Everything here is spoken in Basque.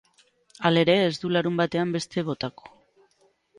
Halere, ez du larunbatean beste botako.